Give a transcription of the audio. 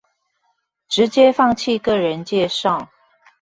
直接放棄個人介紹